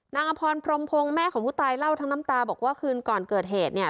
อพรพรมพงศ์แม่ของผู้ตายเล่าทั้งน้ำตาบอกว่าคืนก่อนเกิดเหตุเนี่ย